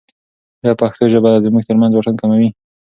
ایا پښتو ژبه زموږ ترمنځ واټن کموي؟